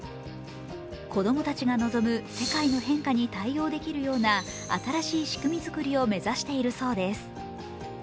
子供たちが望む世界の変化に対応できるような新しい仕組み作りを目指しているそうです。